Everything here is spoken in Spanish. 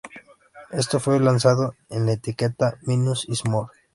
Esto fue lanzado en la etiqueta Minus Is More.